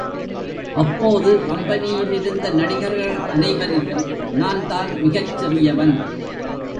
அப்போது கம்பெனியிலிருந்த நடிகர்கள் அனைவரிலும் நான் தான் மிகச் சிறியவன்.